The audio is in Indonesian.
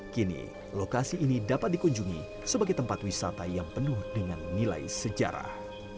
kini lokasi ini dapat dikunjungi sebagai tempat wisata yang penuh dengan nilai sejarah